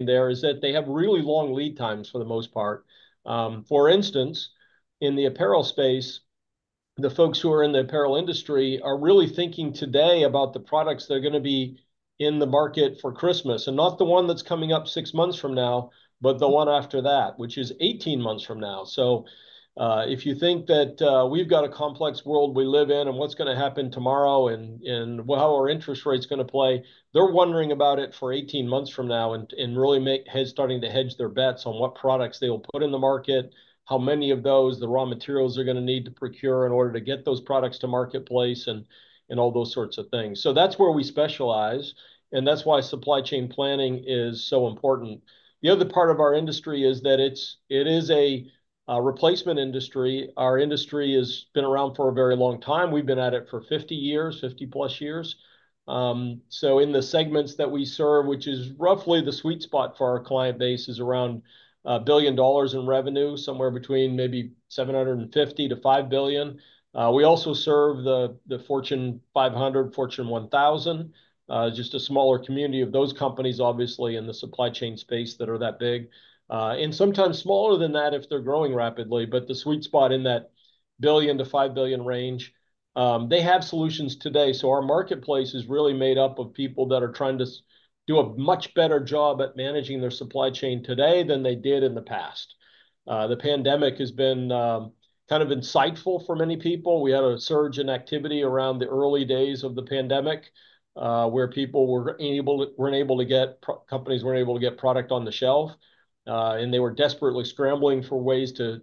There is that they have really long lead times for the most part. For instance, in the apparel space, the folks who are in the apparel industry are really thinking today about the products that are gonna be in the market for Christmas, and not the one that's coming up 6 months from now, but the one after that, which is 18 months from now. So, if you think that we've got a complex world we live in, and what's gonna happen tomorrow, and how are interest rates gonna play, they're wondering about it for 18 months from now and really starting to hedge their bets on what products they will put in the market, how many of those, the raw materials they're gonna need to procure in order to get those products to marketplace, and all those sorts of things. So that's where we specialize, and that's why supply chain planning is so important. The other part of our industry is that it is a replacement industry. Our industry has been around for a very long time. We've been at it for 50 years, 50+ years. So in the segments that we serve, which is roughly the sweet spot for our client base, is around $1 billion in revenue, somewhere between maybe $750 million-$5 billion. We also serve the Fortune 500, Fortune 1000. Just a smaller community of those companies, obviously, in the supply chain space that are that big, and sometimes smaller than that if they're growing rapidly, but the sweet spot in that $1 billion-$5 billion range. They have solutions today, so our marketplace is really made up of people that are trying to do a much better job at managing their supply chain today than they did in the past. The pandemic has been kind of insightful for many people. We had a surge in activity around the early days of the pandemic, where companies weren't able to get product on the shelf, and they were desperately scrambling for ways to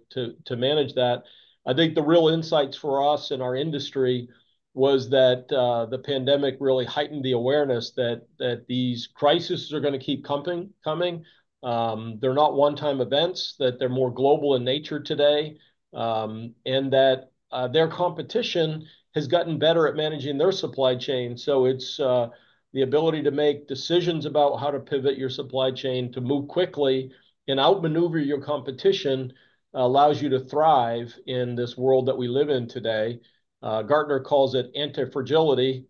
manage that. I think the real insights for us in our industry was that the pandemic really heightened the awareness that these crises are gonna keep coming. They're not one-time events, that they're more global in nature today, and that their competition has gotten better at managing their supply chain. So it's the ability to make decisions about how to pivot your supply chain, to move quickly and outmaneuver your competition, allows you to thrive in this world that we live in today. Gartner calls it anti-fragility.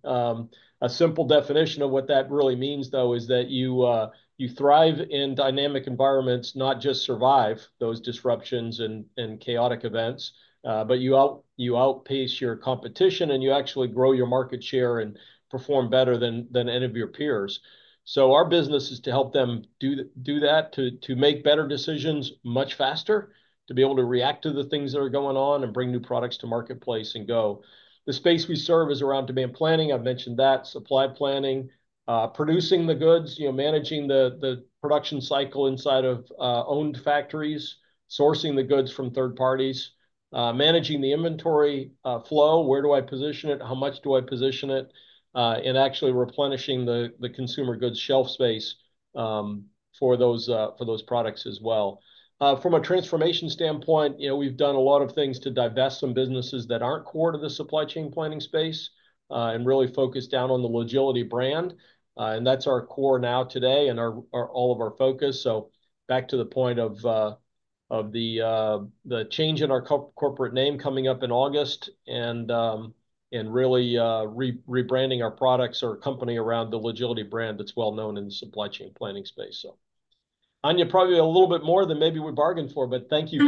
A simple definition of what that really means, though, is that you thrive in dynamic environments, not just survive those disruptions and chaotic events, but you outpace your competition, and you actually grow your market share and perform better than any of your peers. So our business is to help them do that, to make better decisions much faster, to be able to react to the things that are going on, and bring new products to marketplace and go. The space we serve is around demand planning. I've mentioned that: supply planning, producing the goods, you know, managing the production cycle inside of owned factories, sourcing the goods from third parties, managing the inventory flow, where do I position it? How much do I position it? And actually replenishing the consumer goods shelf space for those, for those products as well. From a transformation standpoint, you know, we've done a lot of things to divest some businesses that aren't core to the supply chain planning space, and really focus down on the Logility brand. And that's our core now today, and all of our focus. So back to the point of the change in our corporate name coming up in August, and really rebranding our products or company around the Logility brand that's well known in the supply chain planning space. Anja, probably a little bit more than maybe we bargained for, but thank you-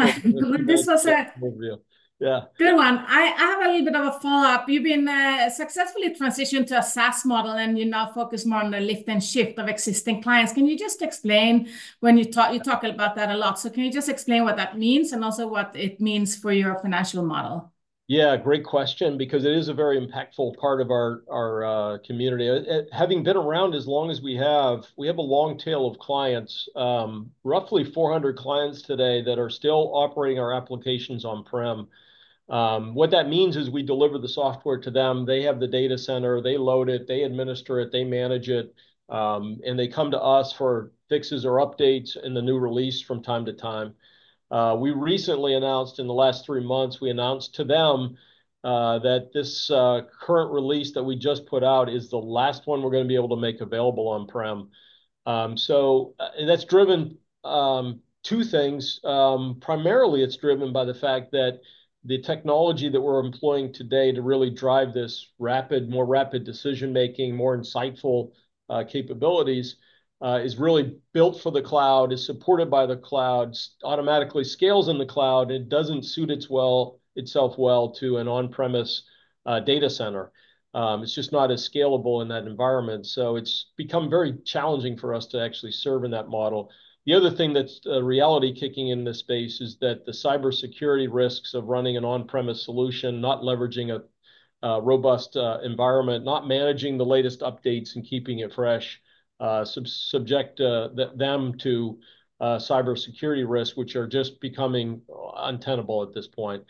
This was a-... overview. Yeah. Good one. I have a little bit of a follow-up. You've been successfully transitioned to a SaaS model, and you now focus more on the lift and shift of existing clients. Can you just explain, you talk about that a lot, so can you just explain what that means and also what it means for your financial model? Yeah, great question, because it is a very impactful part of our community. Having been around as long as we have, we have a long tail of clients, roughly 400 clients today, that are still operating our applications on-prem. What that means is, we deliver the software to them, they have the data center, they load it, they administer it, they manage it, and they come to us for fixes or updates in the new release from time to time. We recently announced, in the last three months, we announced to them, that this current release that we just put out is the last one we're gonna be able to make available on-prem. So, and that's driven two things. Primarily, it's driven by the fact that the technology that we're employing today to really drive this more rapid decision-making, more insightful capabilities, is really built for the cloud, is supported by the cloud, automatically scales in the cloud, and it doesn't suit itself well to an on-premise data center. It's just not as scalable in that environment, so it's become very challenging for us to actually serve in that model. The other thing that's a reality kicking in this space is that the cybersecurity risks of running an on-premise solution, not leveraging a robust environment, not managing the latest updates and keeping it fresh, subject them to cybersecurity risks, which are just becoming untenable at this point.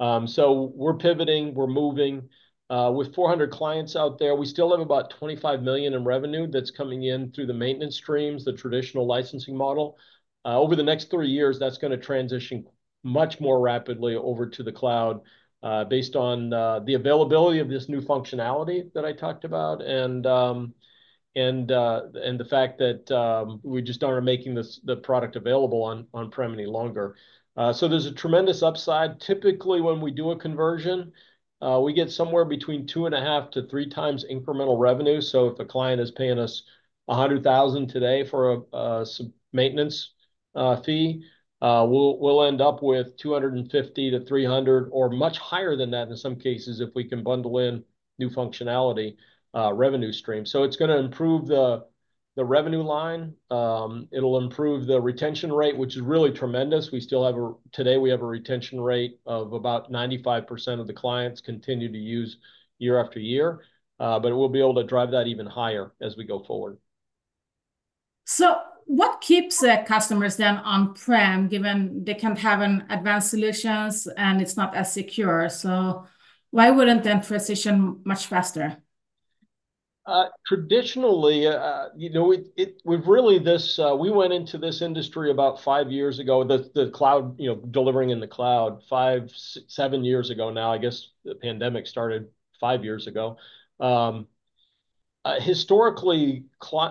So we're pivoting, we're moving. With 400 clients out there, we still have about $25 million in revenue that's coming in through the maintenance streams, the traditional licensing model. Over the next three years, that's gonna transition much more rapidly over to the cloud, based on the availability of this new functionality that I talked about, and the fact that we just aren't making the product available on on-prem any longer. So there's a tremendous upside. Typically, when we do a conversion, we get somewhere between two and a half to three times incremental revenue. So if a client is paying us $100,000 today for a subscription maintenance fee, we'll end up with $250-$300, or much higher than that in some cases, if we can bundle in new functionality, revenue stream. So it's gonna improve the-... the revenue line. It'll improve the retention rate, which is really tremendous. We still have, today, we have a retention rate of about 95% of the clients continue to use year after year. But we'll be able to drive that even higher as we go forward. So what keeps customers then on-prem, given they can have an advanced solutions, and it's not as secure? So why wouldn't they transition much faster? Traditionally, you know, it, it- we've really this. We went into this industry about five years ago, the, the cloud, you know, delivering in the cloud five, seven years ago now. I guess the pandemic started five years ago. Historically,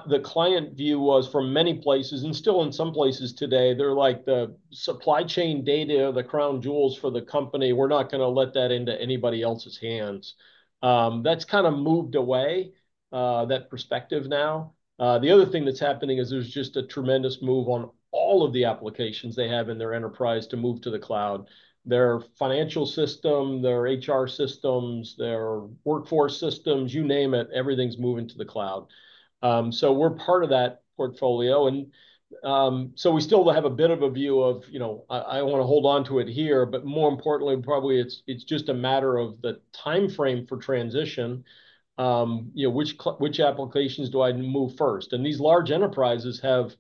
the client view was from many places, and still in some places today, they're like the supply chain data are the crown jewels for the company, we're not gonna let that into anybody else's hands. That's kind of moved away, that perspective now. The other thing that's happening is there's just a tremendous move on all of the applications they have in their enterprise to move to the cloud. Their financial system, their HR systems, their workforce systems, you name it, everything's moving to the cloud. So we're part of that portfolio, and so we still have a bit of a view of, you know, I, "I wanna hold on to it here," but more importantly, probably it's, it's just a matter of the timeframe for transition. You know, which applications do I move first? These large enterprises have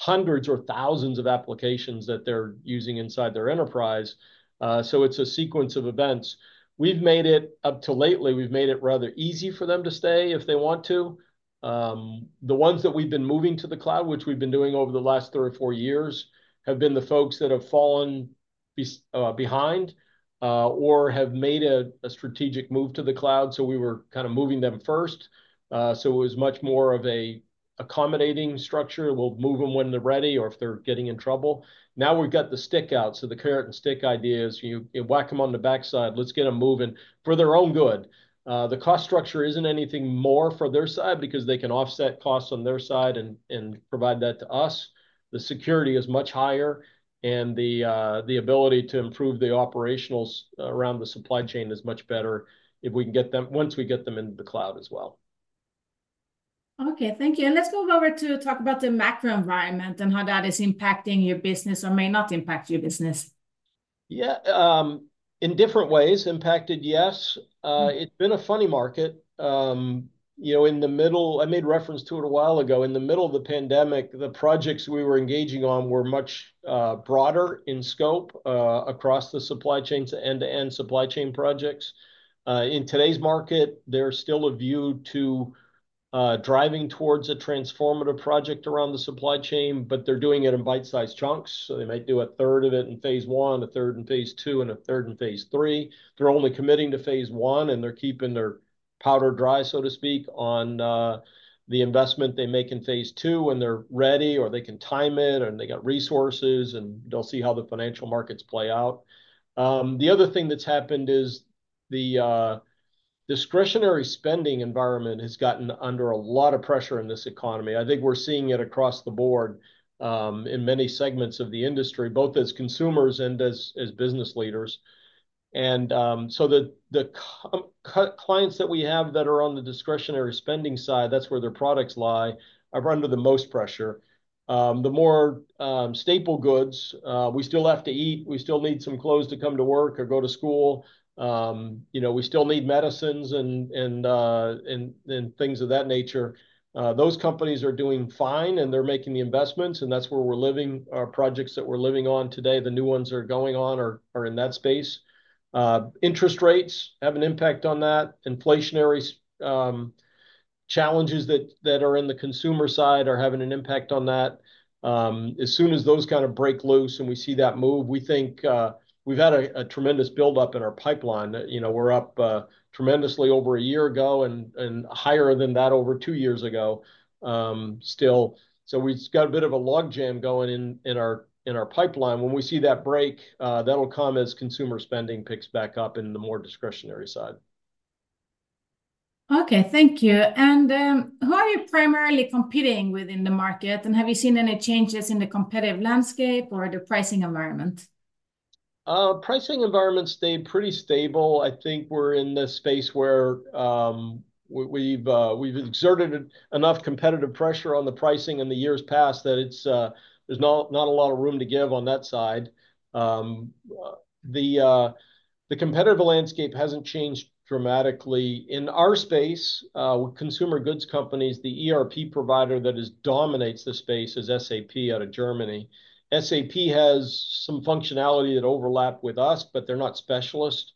hundreds or thousands of applications that they're using inside their enterprise. So it's a sequence of events. We've made it up till lately, we've made it rather easy for them to stay if they want to. The ones that we've been moving to the cloud, which we've been doing over the last three or four years, have been the folks that have fallen behind or have made a strategic move to the cloud, so we were kind of moving them first. So it was much more of an accommodating structure. We'll move them when they're ready or if they're getting in trouble. Now, we've got the stick out, so the carrot-and-stick idea is you whack them on the backside, let's get them moving for their own good. The cost structure isn't anything more for their side because they can offset costs on their side and provide that to us. The security is much higher, and the ability to improve the operationals around the supply chain is much better if we can get them, once we get them into the cloud as well. Okay, thank you. Let's move over to talk about the macro environment and how that is impacting your business or may not impact your business. Yeah, in different ways impacted, yes. It's been a funny market. You know, in the middle... I made reference to it a while ago, in the middle of the pandemic, the projects we were engaging on were much broader in scope across the supply chains, the end-to-end supply chain projects. In today's market, there's still a view to driving towards a transformative project around the supply chain, but they're doing it in bite-sized chunks. So they might do a third of it in phase one, a third in phase two, and a third in phase three. They're only committing to phase one, and they're keeping their powder dry, so to speak, on the investment they make in phase two when they're ready, or they can time it, and they got resources, and they'll see how the financial markets play out. The other thing that's happened is the discretionary spending environment has gotten under a lot of pressure in this economy. I think we're seeing it across the board in many segments of the industry, both as consumers and as business leaders. So the clients that we have that are on the discretionary spending side, that's where their products lie, are under the most pressure. The more staple goods, we still have to eat, we still need some clothes to come to work or go to school, you know, we still need medicines and things of that nature. Those companies are doing fine, and they're making the investments, and that's where we're living, our projects that we're living on today, the new ones that are going on are in that space. Interest rates have an impact on that. Inflationary challenges that are in the consumer side are having an impact on that. As soon as those kind of break loose and we see that move, we think... We've had a tremendous build-up in our pipeline. You know, we're up tremendously over a year ago, and higher than that over two years ago, still. So we've got a bit of a logjam going in our pipeline. When we see that break, that'll come as consumer spending picks back up in the more discretionary side. Okay, thank you. And, who are you primarily competing with in the market? And have you seen any changes in the competitive landscape or the pricing environment? Pricing environment stayed pretty stable. I think we're in the space where we've exerted enough competitive pressure on the pricing in the years past that it's, there's not a lot of room to give on that side. The competitive landscape hasn't changed dramatically. In our space, with consumer goods companies, the ERP provider that is dominates the space is SAP out of Germany. SAP has some functionality that overlap with us, but they're not specialist.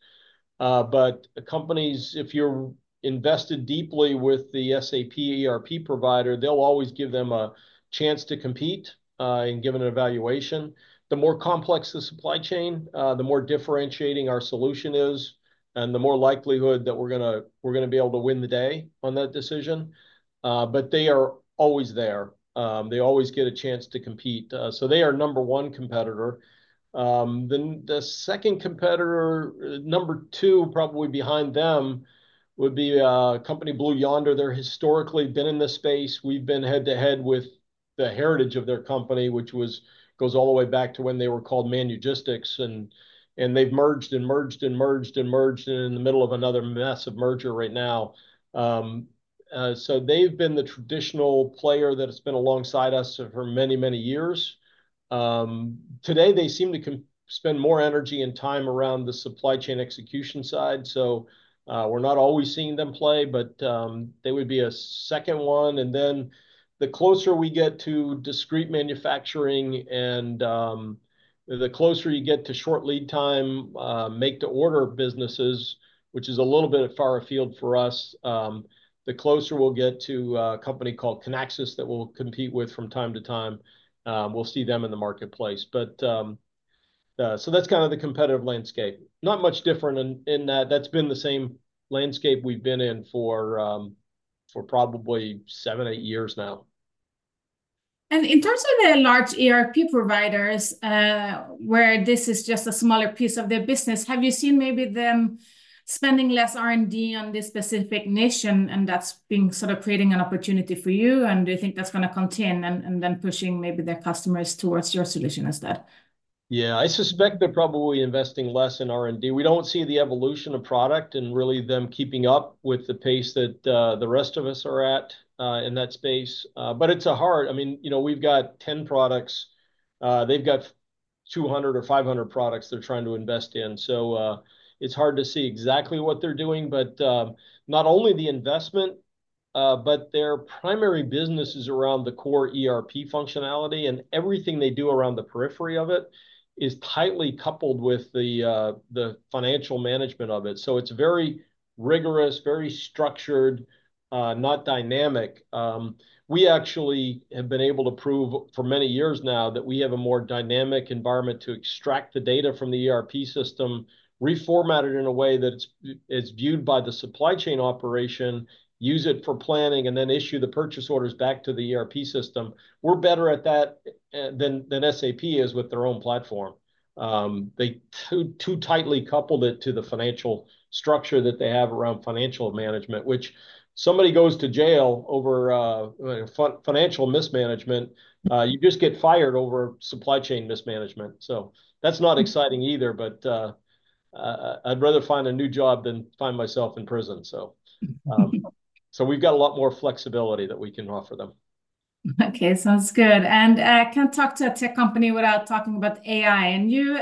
But companies, if you're invested deeply with the SAP ERP provider, they'll always give them a chance to compete, and give it an evaluation. The more complex the supply chain, the more differentiating our solution is, and the more likelihood that we're gonna be able to win the day on that decision. But they are always there. They always get a chance to compete, so they are number one competitor. Then the second competitor, number two, probably behind them, would be a company, Blue Yonder. They've historically been in this space. We've been head-to-head. The heritage of their company, which goes all the way back to when they were called Manugistics, and they've merged and merged and merged and merged, and in the middle of another massive merger right now. So they've been the traditional player that has been alongside us for many, many years. Today they seem to come to spend more energy and time around the supply chain execution side. So we're not always seeing them play, but they would be a second one. And then the closer we get to discrete manufacturing and, the closer you get to short lead time, make-to-order businesses, which is a little bit far afield for us, the closer we'll get to a company called Kinaxis that we'll compete with from time to time. We'll see them in the marketplace. But, so that's kind of the competitive landscape. Not much different in that. That's been the same landscape we've been in for, for probably seven, eight years now. In terms of the large ERP providers, where this is just a smaller piece of their business, have you seen maybe them spending less R&D on this specific niche, and that's been sort of creating an opportunity for you? Do you think that's gonna continue, and them pushing maybe their customers towards your solution instead? Yeah, I suspect they're probably investing less in R&D. We don't see the evolution of product and really them keeping up with the pace that the rest of us are at in that space. But it's hard. I mean, you know, we've got 10 products. They've got 200 or 500 products they're trying to invest in. So, it's hard to see exactly what they're doing, but not only the investment, but their primary business is around the core ERP functionality, and everything they do around the periphery of it is tightly coupled with the financial management of it. So it's very rigorous, very structured, not dynamic. We actually have been able to prove for many years now that we have a more dynamic environment to extract the data from the ERP system, reformat it in a way that it's viewed by the supply chain operation, use it for planning, and then issue the purchase orders back to the ERP system. We're better at that than SAP is with their own platform. They too tightly coupled it to the financial structure that they have around financial management, which somebody goes to jail over, financial mismanagement, you just get fired over supply chain mismanagement. So that's not exciting either, but I'd rather find a new job than find myself in prison, so. So we've got a lot more flexibility that we can offer them. Okay, sounds good. Can't talk to a tech company without talking about AI. Yeah. And you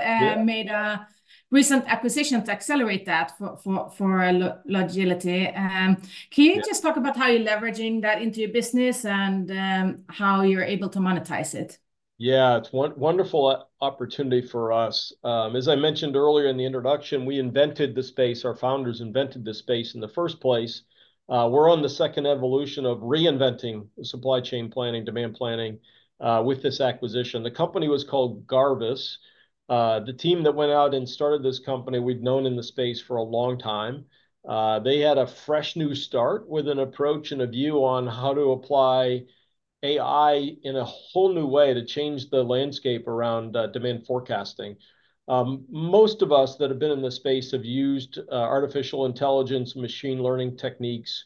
made a recent acquisition to accelerate that for Logility. Yeah... can you just talk about how you're leveraging that into your business and how you're able to monetize it? Yeah, it's wonderful opportunity for us. As I mentioned earlier in the introduction, we invented the space. Our founders invented this space in the first place. We're on the second evolution of reinventing supply chain planning, demand planning, with this acquisition. The company was called Garvis. The team that went out and started this company, we've known in the space for a long time. They had a fresh new start with an approach and a view on how to apply AI in a whole new way to change the landscape around, demand forecasting. Most of us that have been in the space have used, artificial intelligence, machine learning techniques.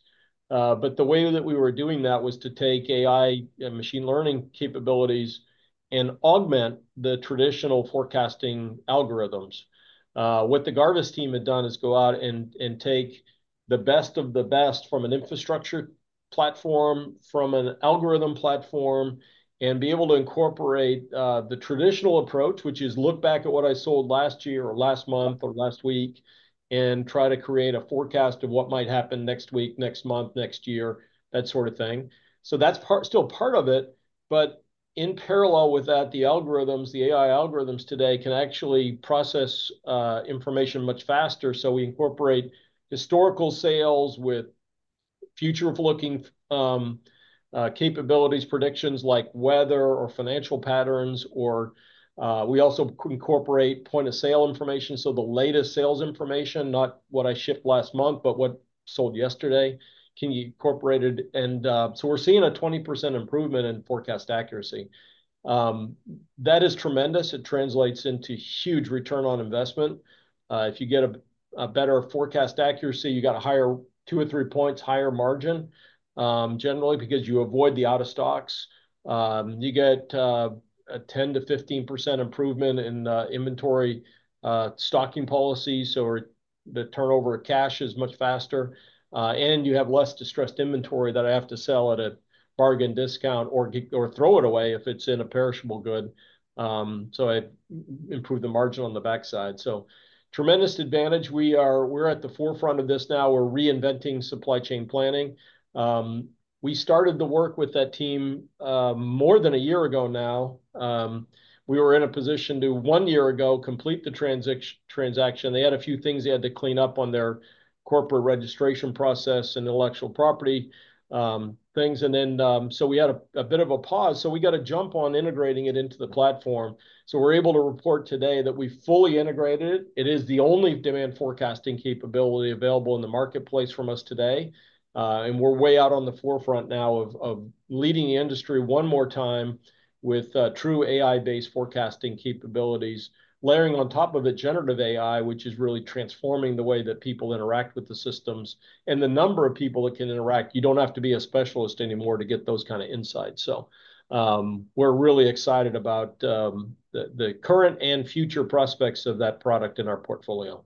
But the way that we were doing that was to take AI and machine learning capabilities and augment the traditional forecasting algorithms. What the Garvis team had done is go out and take the best of the best from an infrastructure platform, from an algorithm platform, and be able to incorporate the traditional approach, which is look back at what I sold last year or last month or last week, and try to create a forecast of what might happen next week, next month, next year, that sort of thing. So that's part still a part of it, but in parallel with that, the algorithms, the AI algorithms today can actually process information much faster. So we incorporate historical sales with future-looking capabilities, predictions like weather or financial patterns or we also incorporate point-of-sale information. So the latest sales information, not what I shipped last month, but what sold yesterday, can be incorporated. And so we're seeing a 20% improvement in forecast accuracy. That is tremendous. It translates into huge return on investment. If you get a better forecast accuracy, you got a higher, two or three points higher margin, generally because you avoid the out-of-stocks. You get a 10%-15% improvement in inventory stocking policies, so the turnover of cash is much faster. And you have less distressed inventory that I have to sell at a bargain discount or throw it away if it's a perishable good. So I improve the margin on the backside. So tremendous advantage. We are at the forefront of this now. We're reinventing supply chain planning. We started the work with that team more than a year ago now. We were in a position to, one year ago, complete the transaction. They had a few things they had to clean up on their corporate registration process and intellectual property, things. And then, so we had a bit of a pause, so we got a jump on integrating it into the platform. So we're able to report today that we fully integrated it. It is the only demand forecasting capability available in the marketplace from us today. And we're way out on the forefront now of leading the industry one more time with true AI-based forecasting capabilities, layering on top of the generative AI, which is really transforming the way that people interact with the systems and the number of people that can interact. You don't have to be a specialist anymore to get those kind of insights. So, we're really excited about the current and future prospects of that product in our portfolio. ...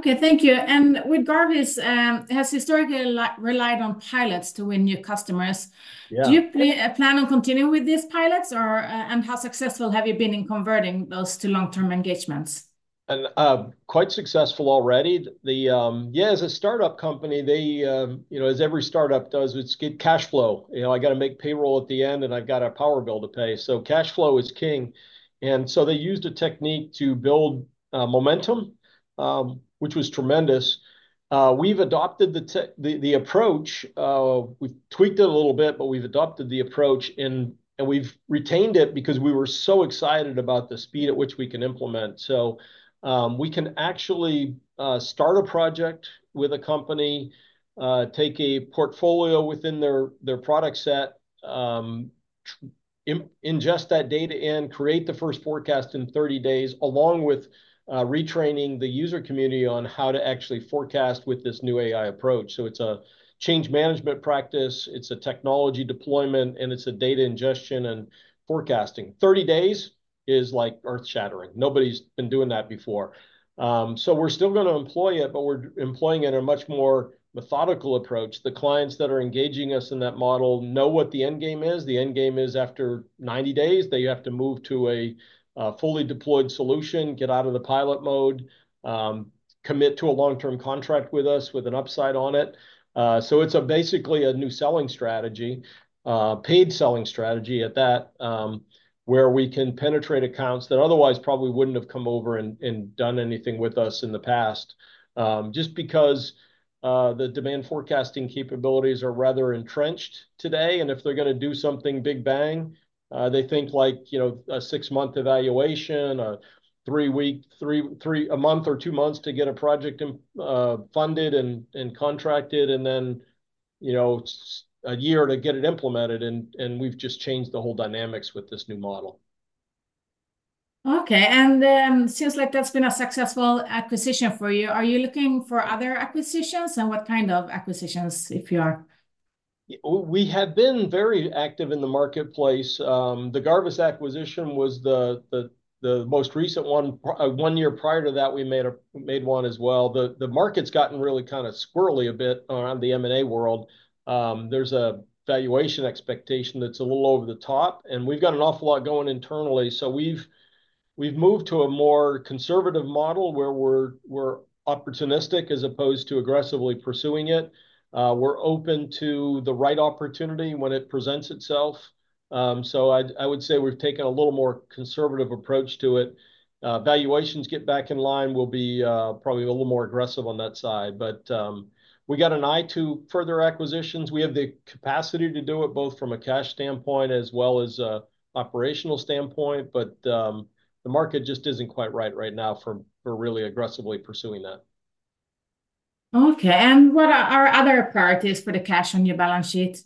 Okay, thank you. And with Garvis, has historically relied on pilots to win new customers. Yeah. Do you plan on continuing with these pilots, or... And how successful have you been in converting those to long-term engagements? And quite successful already. Yeah, as a startup company, they, you know, as every startup does, it's get cash flow. You know, I gotta make payroll at the end, and I've got a power bill to pay, so cash flow is king. And so they used a technique to build momentum, which was tremendous. We've adopted the approach, we've tweaked it a little bit, but we've adopted the approach, and we've retained it because we were so excited about the speed at which we can implement. So we can actually start a project with a company, take a portfolio within their product set, ingest that data and create the first forecast in 30 days, along with retraining the user community on how to actually forecast with this new AI approach. So it's a change management practice, it's a technology deployment, and it's a data ingestion and forecasting. 30 days is, like, earth-shattering. Nobody's been doing that before. So we're still gonna employ it, but we're employing it in a much more methodical approach. The clients that are engaging us in that model know what the end game is. The end game is, after 90 days, they have to move to a fully deployed solution, get out of the pilot mode, commit to a long-term contract with us, with an upside on it. So it's basically a new selling strategy, paid selling strategy at that, where we can penetrate accounts that otherwise probably wouldn't have come over and done anything with us in the past. Just because the demand forecasting capabilities are rather entrenched today, and if they're gonna do something big bang, they think, like, you know, a six-month evaluation, a three-week, a month or two months to get a project funded and contracted, and then, you know, a year to get it implemented. We've just changed the whole dynamics with this new model. Okay, and, seems like that's been a successful acquisition for you. Are you looking for other acquisitions, and what kind of acquisitions, if you are? We have been very active in the marketplace. The Garvis acquisition was the most recent one. One year prior to that, we made one as well. The market's gotten really kind of squirrely a bit around the M&A world. There's a valuation expectation that's a little over the top, and we've got an awful lot going internally, so we've moved to a more conservative model where we're opportunistic as opposed to aggressively pursuing it. We're open to the right opportunity when it presents itself. So I would say we've taken a little more conservative approach to it. Valuations get back in line, we'll be probably a little more aggressive on that side. But we got an eye to further acquisitions. We have the capacity to do it, both from a cash standpoint as well as an operational standpoint, but the market just isn't quite right right now for really aggressively pursuing that. Okay, and what are our other priorities for the cash on your balance sheet?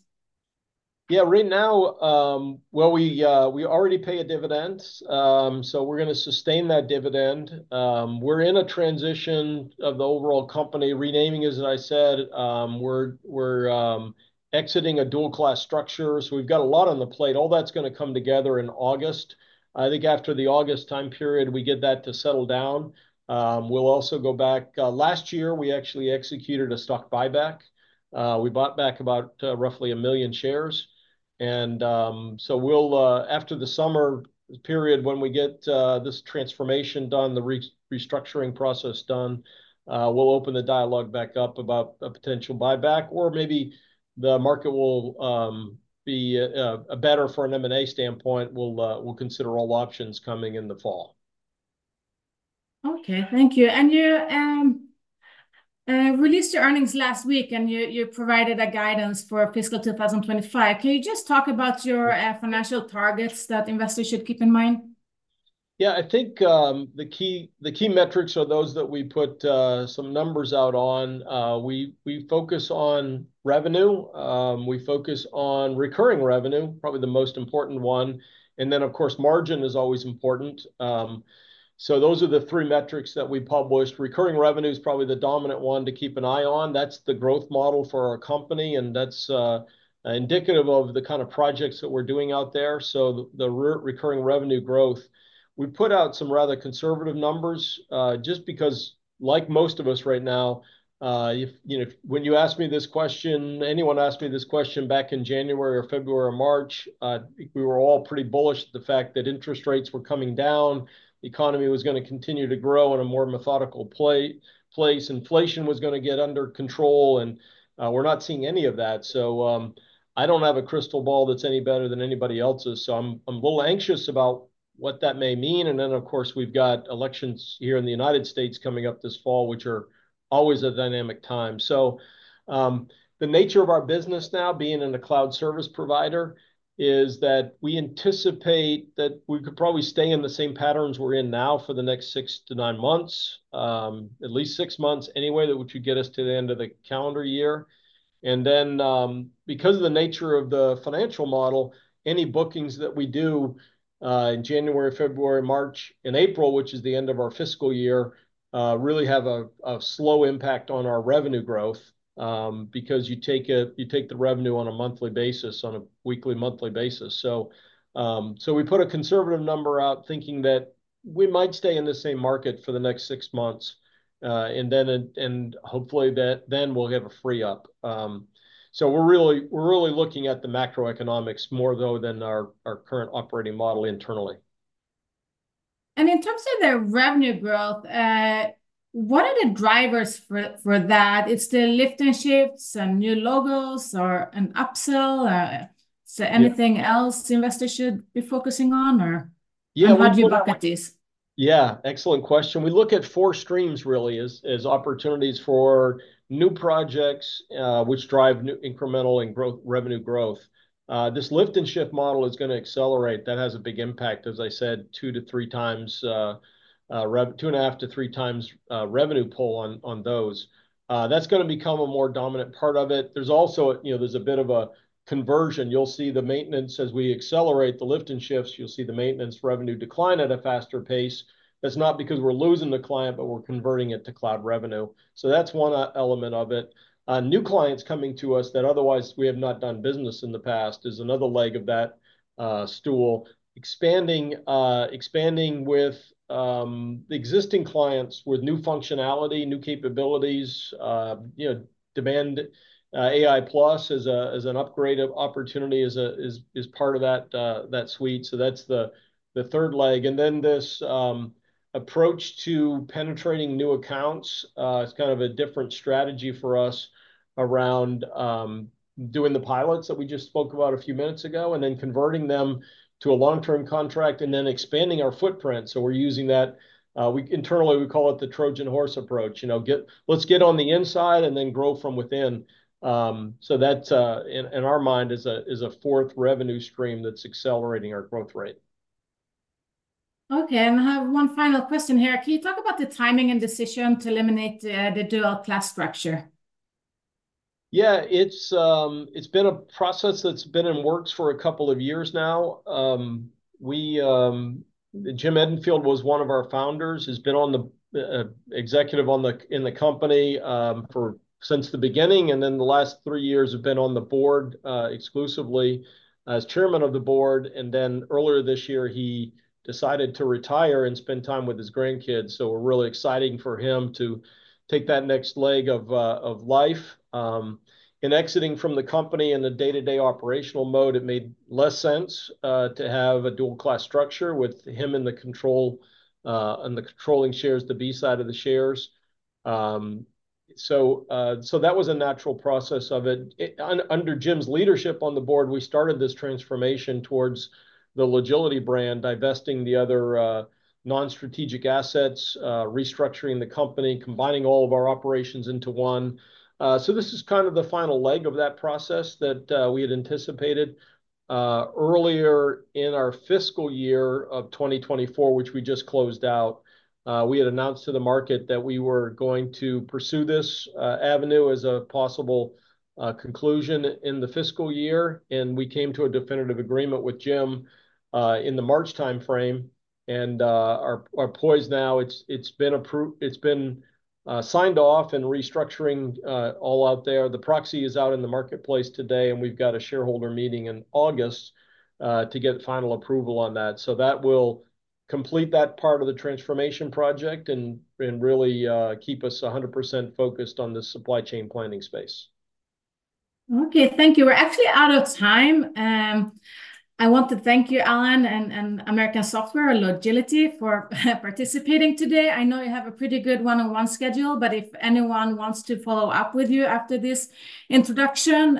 Yeah, right now... Well, we already pay a dividend, so we're gonna sustain that dividend. We're in a transition of the overall company, renaming, as I said. We're exiting a dual-class structure, so we've got a lot on the plate. All that's gonna come together in August. I think after the August time period, we get that to settle down, we'll also go back... Last year, we actually executed a stock buyback. We bought back about, roughly 1 million shares. So we'll after the summer period, when we get this transformation done, the restructuring process done, we'll open the dialogue back up about a potential buyback, or maybe the market will be better from an M&A standpoint. We'll consider all options coming in the fall. Okay, thank you. And you released your earnings last week, and you provided a guidance for fiscal 2025. Can you just talk about your financial targets that investors should keep in mind? Yeah, I think, the key, the key metrics are those that we put, some numbers out on. We, we focus on revenue, we focus on recurring revenue, probably the most important one, and then of course, margin is always important. So those are the three metrics that we published. Recurring revenue is probably the dominant one to keep an eye on. That's the growth model for our company, and that's, indicative of the kind of projects that we're doing out there. So the recurring revenue growth, we put out some rather conservative numbers, just because, like most of us right now, you know, when you asked me this question, anyone asked me this question back in January or February or March, we were all pretty bullish at the fact that interest rates were coming down, the economy was gonna continue to grow in a more methodical place, inflation was gonna get under control, and we're not seeing any of that. So, I don't have a crystal ball that's any better than anybody else's, so I'm a little anxious about what that may mean. And then, of course, we've got elections here in the United States coming up this fall, which are always a dynamic time. So, the nature of our business now, being in a cloud service provider, is that we anticipate that we could probably stay in the same patterns we're in now for the next 6-9 months, at least 6 months anyway, which would get us to the end of the calendar year. And then, because of the nature of the financial model, any bookings that we do in January, February, March, and April, which is the end of our fiscal year, really have a slow impact on our revenue growth, because you take the revenue on a monthly basis, on a weekly, monthly basis. So, we put a conservative number out, thinking that-... We might stay in the same market for the next six months, and then hopefully then we'll have a free up. So we're really looking at the macroeconomics more though than our current operating model internally. In terms of the revenue growth, what are the drivers for that? It's the lift-and-shifts and new logos or an upsell, Yeah So, anything else the investors should be focusing on, or? Yeah, we- How do you look at this? Yeah, excellent question. We look at 4 streams really as, as opportunities for new projects, which drive new incremental and growing revenue growth. This lift-and-shift model is gonna accelerate. That has a big impact, as I said, two to three times, two and a half to three times revenue pull on those. That's gonna become a more dominant part of it. There's also, you know, there's a bit of a conversion. You'll see the maintenance as we accelerate the lift-and-shifts, you'll see the maintenance revenue decline at a faster pace. That's not because we're losing the client, but we're converting it to cloud revenue. So that's one element of it. New clients coming to us that otherwise we have not done business in the past is another leg of that stool. Expanding with existing clients, with new functionality, new capabilities, you know, DemandAI+ as an upgrade opportunity, is part of that suite, so that's the third leg. And then this approach to penetrating new accounts is kind of a different strategy for us around doing the pilots that we just spoke about a few minutes ago, and then converting them to a long-term contract, and then expanding our footprint. So we're using that. Internally, we call it the Trojan horse approach. You know, "Let's get on the inside and then grow from within." So that, in our mind, is a fourth revenue stream that's accelerating our growth rate. Okay, and I have one final question here. Can you talk about the timing and decision to eliminate the dual-class structure? Yeah, it's, it's been a process that's been in works for a couple of years now. Jim Edenfield was one of our founders, he's been on the, executive on the, in the company, for since the beginning, and then the last three years have been on the board, exclusively as Chairman of the Board. Then earlier this year, he decided to retire and spend time with his grandkids, so we're really exciting for him to take that next leg of, of life. In exiting from the company in the day-to-day operational mode, it made less sense to have a dual-class structure with him in the control, in the controlling shares, the B side of the shares. So, so that was a natural process of it. Under Jim's leadership on the board, we started this transformation towards the Logility brand, divesting the other non-strategic assets, restructuring the company, combining all of our operations into one. So this is kind of the final leg of that process that we had anticipated. Earlier in our fiscal year of 2024, which we just closed out, we had announced to the market that we were going to pursue this avenue as a possible conclusion in the fiscal year, and we came to a definitive agreement with Jim in the March timeframe. Our ploy is now, it's been signed off and restructuring all out there. The proxy is out in the marketplace today, and we've got a shareholder meeting in August to get final approval on that. So that will complete that part of the transformation project, and really keep us 100% focused on the supply chain planning space. Okay, thank you. We're actually out of time. I want to thank you, Allan, and American Software and Logility for participating today. I know you have a pretty good one-on-one schedule, but if anyone wants to follow up with you after this introduction,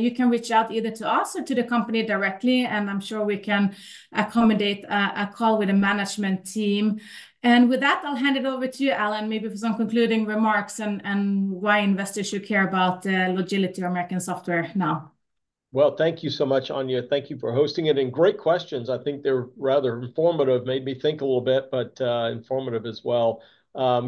you can reach out either to us or to the company directly, and I'm sure we can accommodate a call with the management team. And with that, I'll hand it over to you, Allan, maybe for some concluding remarks and why investors should care about Logility or American Software now. Well, thank you so much, Anja. Thank you for hosting it, and great questions. I think they're rather informative, made me think a little bit, but, informative as well.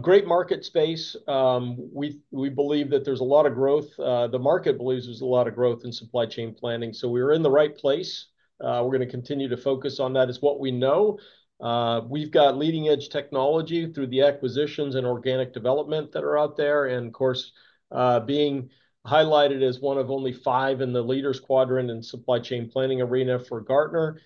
Great market space. We, we believe that there's a lot of growth, the market believes there's a lot of growth in supply chain planning, so we're in the right place. We're gonna continue to focus on that. It's what we know. We've got leading-edge technology through the acquisitions and organic development that are out there. And of course, being highlighted as one of only five in the Leaders quadrant in supply chain planning arena for Gartner,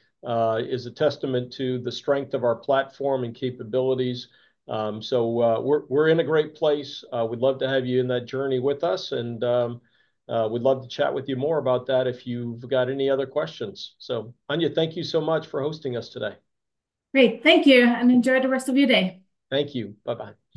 is a testament to the strength of our platform and capabilities. So, we're in a great place. We'd love to have you in that journey with us, and, we'd love to chat with you more about that if you've got any other questions. So, Anja, thank you so much for hosting us today. Great, thank you, and enjoy the rest of your day. Thank you. Bye-bye.